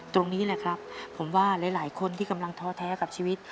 ตรงนี้แหละครับผมว่าหลายคนที่กำลังท้อแท้กับชีวิต